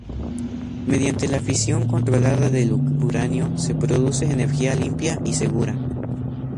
Mediante la fisión controlada del uranio se produce energía limpia y segura.